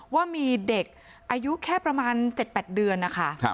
ว่ามีเด็กอายุแค่ประมาณ๗๘เดือนนะคะ